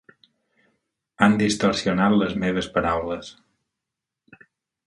Han distorsionat les meves paraules.